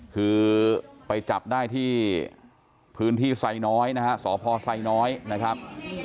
คือไปจับได้ที่พื้นที่ไซน้อยนะฮะสพไซน้อยนะครับ